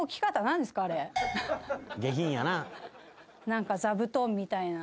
何か座布団みたいな。